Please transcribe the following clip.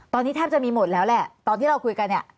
ตอนนี้แทบจะมีหมดแล้วแหละตอนที่เราคุยกันเนี่ย